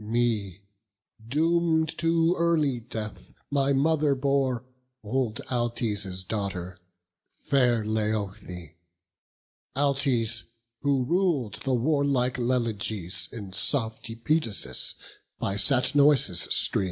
Me, doom'd to early death, my mother bore, Old Altes' daughter, fair Laothoe; Altes, who rul'd the warlike Leleges, In lofty Pedasus, by Satnois' stream.